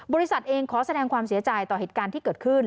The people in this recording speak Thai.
บริษัทเองขอแสดงความเสียใจต่อเหตุการณ์ที่เกิดขึ้น